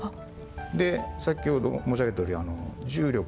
で先ほど申し上げたとおり重力。